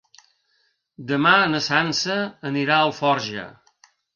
Demà na Sança anirà a Alforja.